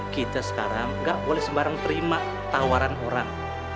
kita sekarang gak boleh sembarang terima tawaran orang